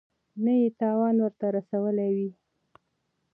نه یې تاوان ورته رسولی وي.